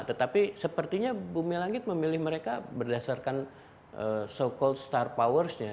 tetapi sepertinya bumi langit memilih mereka berdasarkan so called star powers nya